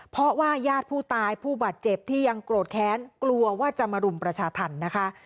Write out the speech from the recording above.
เพราะว่าญาติผู้ตายผู้บาดเจ็บที่ยังโกรธแค้นกลัวว่าจะมารุมประชาธรรมนะคะ